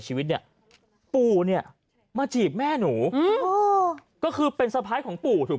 ชีวิตเนี่ยปู่เนี่ยมาจีบแม่หนูอืมก็คือเป็นสะพ้ายของปู่ถูก